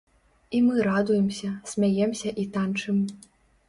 І мы радуемся, смяемся і танчым.